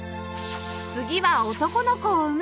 次は男の子を産む！